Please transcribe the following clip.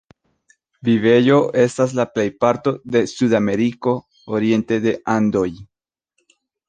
Vivejo estas la plejparto de Sud-Ameriko oriente de Andoj.